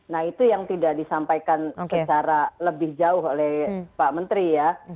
nah itu yang tidak disampaikan secara lebih jauh oleh pak menteri ya